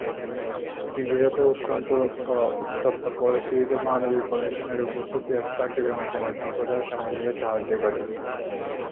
বিশেষত অত্যন্ত উত্তপ্ত পরিস্থিতিতে মানবিক প্রতিষ্ঠানের উপস্থিতি এবং কার্যক্রমের জন্য সম্প্রদায়ের সম্মতি পেতে সাহায্য করে।